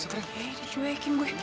ya udah cuekin gue